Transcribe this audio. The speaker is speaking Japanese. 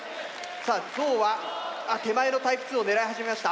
さあゾウは手前のタイプ２を狙い始めました。